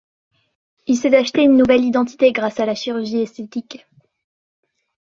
Il s'est acheté une nouvelle identité grâce à la chirurgie esthétique.